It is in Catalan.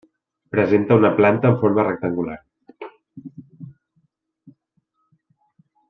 Presenta una planta amb forma rectangular.